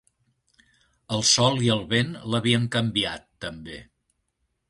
El sol i el vent l'havien canviat, també.